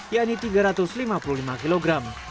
yakni tiga ratus lima puluh lima kg